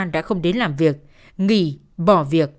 đã không đến làm việc nghỉ bỏ việc